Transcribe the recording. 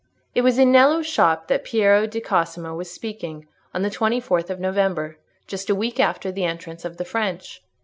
It was in Nello's shop that Piero di Cosimo was speaking, on the twenty fourth of November, just a week after the entrance of the French.